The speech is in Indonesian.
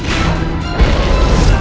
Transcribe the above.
dan membuat kekacauan